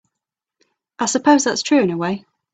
I suppose that's true in a way.